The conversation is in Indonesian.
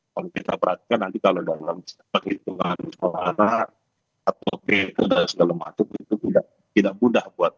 kalau kita perhatikan nanti kalau dalam itu atau itu sudah sudah lemah itu tidak mudah buat